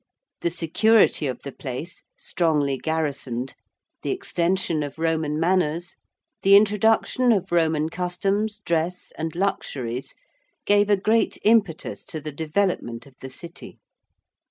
The security of the place, strongly garrisoned, the extension of Roman manners, the introduction of Roman customs, dress, and luxuries gave a great impetus to the development of the City.